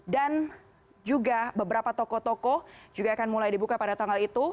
dan juga beberapa toko toko juga akan mulai dibuka pada tanggal itu